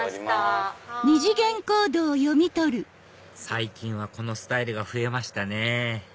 最近はこのスタイルが増えましたね